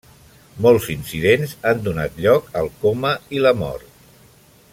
Molts incidents han donat lloc al coma i la mort.